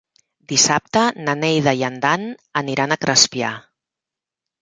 Dissabte na Neida i en Dan aniran a Crespià.